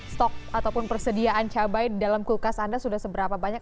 stok ataupun persediaan cabai di dalam kulkas anda sudah seberapa banyak